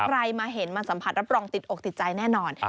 ใครมาเห็นมาสัมผัสรับรองติดอกติดใจแน่นอน